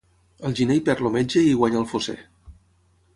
Al gener hi perd el metge i hi guanya el fosser.